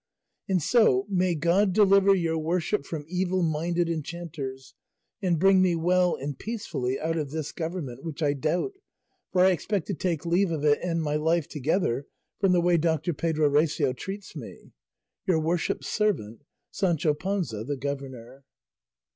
And so, may God deliver your worship from evil minded enchanters, and bring me well and peacefully out of this government, which I doubt, for I expect to take leave of it and my life together, from the way Doctor Pedro Recio treats me. Your worship's servant SANCHO PANZA THE GOVERNOR.